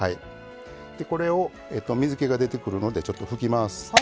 これを水けが出てくるのでちょっと拭きます。